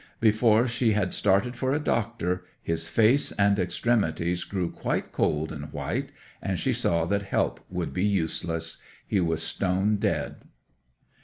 Before she had started for a doctor his face and extremities grew quite cold and white, and she saw that help would be useless. He was stone dead.